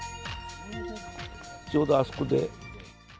ちょうどあそこで。